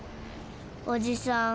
おじさん